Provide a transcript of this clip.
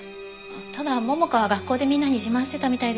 ただ桃香は学校でみんなに自慢してたみたいですけど。